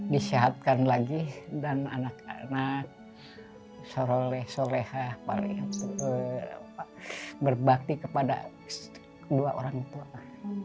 disehatkan lagi dan anak anak soleh solehah paling berbakti kepada dua orang tua